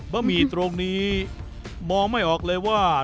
ะหมี่ตรงนี้มองไม่ออกเลยว่า